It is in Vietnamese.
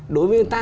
đối với người ta